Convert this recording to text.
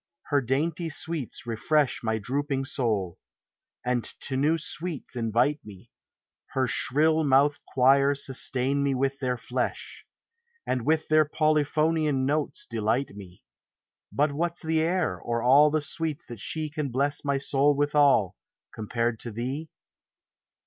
— her dainty sweets refresh My drooping soul, and to new sweets invite me; Her shrill mouthed choir sustain me with their flesh, And with their polyphonian notes delight me : But what ? s the air, or all the sweets that she Can bless my soul withal, compared to thee?